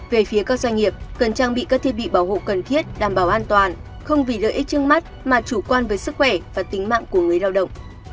về phía các doanh nghiệp cần trang bị các thiết bị bảo hộ cần thiết đảm bảo an toàn không vì lợi ích trước mắt mà chủ quan với sức khỏe và tính mạng của người lao động